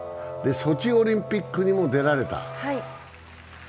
ソチオリンピックにも出られた。